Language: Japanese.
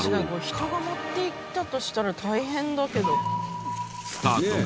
人が持っていったとしたら大変だけど。